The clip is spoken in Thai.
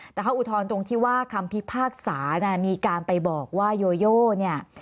แต่เขาอุทธรณ์ตรงที่ว่าคำพิพากษามีการไปบอกว่าโยโยเนี่ย